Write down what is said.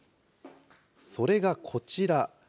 それがこちら。